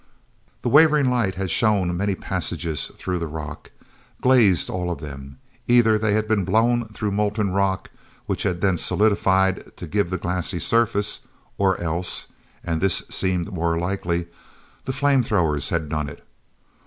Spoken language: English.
he wavering light had shown many passages through the rock. Glazed, all of them. Either they had been blown through molten rock which had then solidified to give the glassy surfaces, or else—and this seemed more likely—the flame throwers had done it.